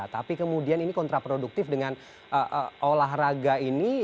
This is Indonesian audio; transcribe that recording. tapi kemudian ini kontraproduktif dengan olahraga ini